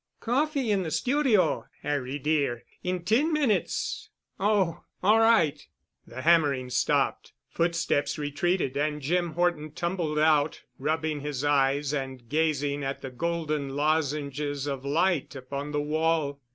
"Coffee in the studio, Harry dear, in ten minutes." "Oh! All right——" The hammering stopped, foot steps retreated and Jim Horton tumbled out, rubbing his eyes and gazing at the golden lozenges of light upon the wall.